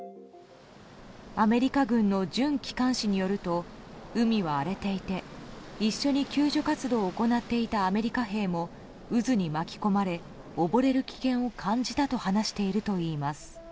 アメリカ軍の準機関紙によると海は荒れていて一緒に救助活動を行っていたアメリカ兵も渦に巻き込まれ溺れる危険を感じたと話しているといいます。